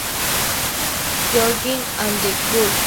Georgen an der Gusen.